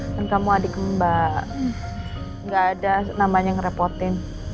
dan kamu adik mbak nggak ada namanya yang ngerepotin